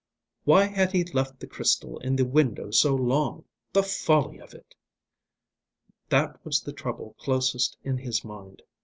"Why had he left the crystal in the window so long? The folly of it!" That was the trouble closest in his mind.